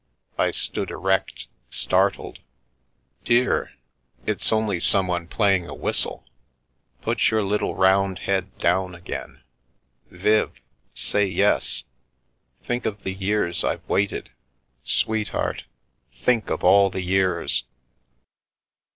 I stood erect, startled. " Dear, it's only someone playing a whistle. Put your little round head down again. Viv, say * yes '— think of the years I've waited. Sweetheart, think of all the years